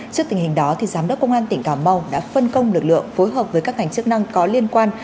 trước tình hình đó giám đốc công an tỉnh cà mau đã phân công lực lượng phối hợp với các ngành chức năng có liên quan